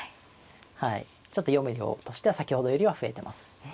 はいちょっと読む量としては先ほどよりは増えてます。